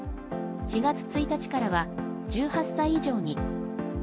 ４月１日からは１８歳以上に。